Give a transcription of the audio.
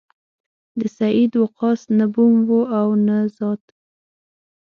د سعد وقاص نه بوم و او نه زاد.